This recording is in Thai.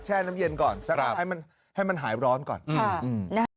แช่น้ำเย็นก่อนครับให้มันให้มันหายร้อนก่อนค่ะอืม